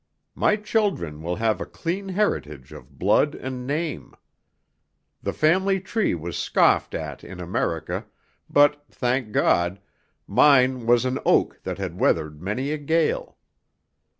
My children will have a clean heritage of blood and name. The family tree was scoffed at in America, but, thank God, mine was an oak that had weathered many a gale.